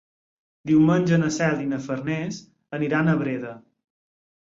Diumenge na Cel i na Farners aniran a Breda.